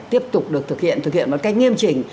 tiếp tục được thực hiện thực hiện một cách nghiêm trình